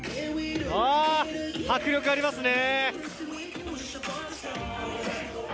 迫力ありますね！